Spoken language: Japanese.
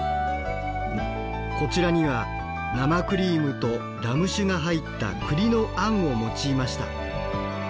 こちらには生クリームとラム酒が入った栗のあんを用いました。